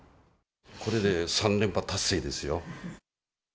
これで３連覇達成ですよ。